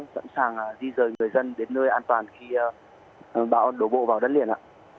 sẵn sàng di rời người dân đến nơi an toàn khi bão đổ bộ vào đất liền ạ